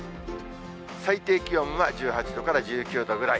最低気温は１８度から１９度ぐらい。